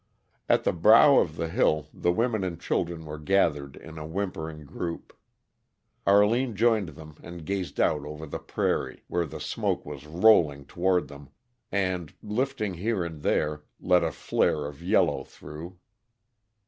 At the brow of the hill the women and children were gathered in a whimpering group. Arline joined them and gazed out over the prairie, where the smoke was rolling toward them, and, lifting here and there, let a flare of yellow through.